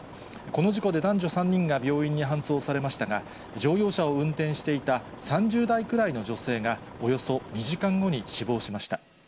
この事故で男女３人が病院に搬送されましたが、乗用車を運転していた３０代くらいの女性が、およそ２時間後に死亡しました。